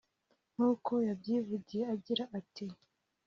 Nk’uko yabyivugiye agira ati